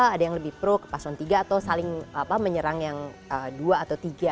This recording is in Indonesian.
ada yang lebih pro ke paslon tiga atau saling menyerang yang dua atau tiga